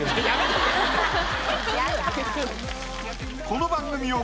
この番組を